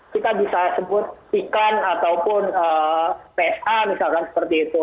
kita bisa sebut ikan ataupun psa misalkan seperti itu